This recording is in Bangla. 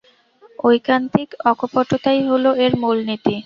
ঐকান্তিক অকপটতাই হল এর মূলনীতি।